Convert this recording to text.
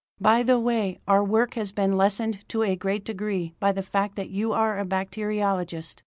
"By the way, our work has been lessened to a great degree by the fact that you are a bacteriologist.